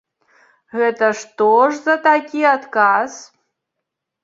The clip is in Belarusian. Гэта што за такі адказ?